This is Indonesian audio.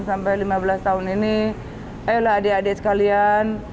sampai lima belas tahun ini ayolah adik adik sekalian